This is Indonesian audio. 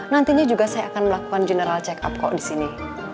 nantinya juga saya akan melakukan general check up kok di sini